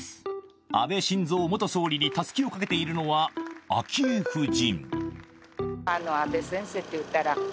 安倍晋三元総理に、たすきを掛けているのは昭恵夫人。